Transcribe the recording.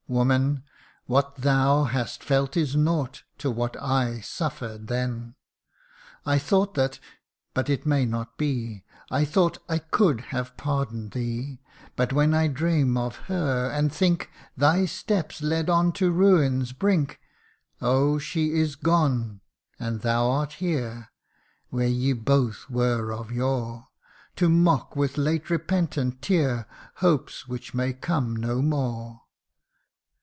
Woman ! what thou hast felt is naught To what I suffer'd then. I thought that but it may not be I thought I could have pardon'd thee ; CANTO III. 81 But when I dream of her, and think Thy steps led on to ruin's brink Oh she is gone, and thou art here Where ye both were of yore To mock with late repentant tear Hopes which may come no more